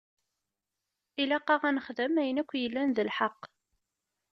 Ilaq-aɣ ad nexdem ayen akk yellan d lḥeqq.